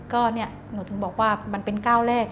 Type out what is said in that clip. ก็เนี่ยหนูถึงบอกว่ามันเป็นก้าวแรก